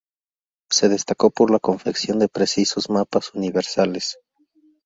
Se destacó por la confección de precisos mapas universales.